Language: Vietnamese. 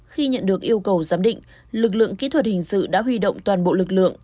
khi nhận được yêu cầu giám định lực lượng kỹ thuật hình sự đã huy động toàn bộ lực lượng